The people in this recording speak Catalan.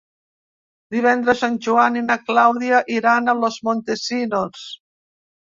Divendres en Joan i na Clàudia iran a Los Montesinos.